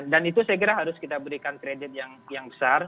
dan itu saya kira harus kita berikan kredit yang besar